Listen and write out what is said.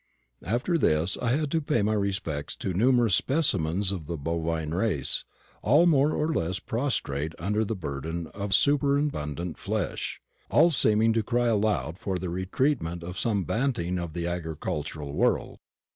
After this I had to pay my respects to numerous specimens of the bovine race, all more or less prostrate under the burden of superabundant flesh, all seeming to cry aloud for the treatment of some Banting of the agricultural world.